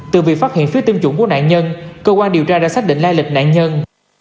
từ việc phát hiện phía tiêm chủng của nạn nhân cơ quan điều tra đã xác định lai lịch nạn nhân